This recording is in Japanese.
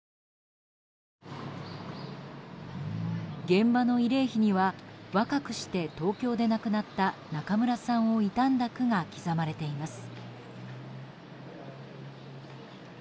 現場の慰霊碑には若くして東京で亡くなった中村さんを悼んだ句が刻まれています。